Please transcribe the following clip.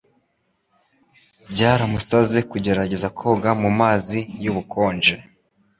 Byaramusaze kugerageza koga mumazi yubukonje.